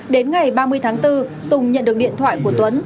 đến ngày ba mươi tháng bốn tùng nhận được điện thoại của tuấn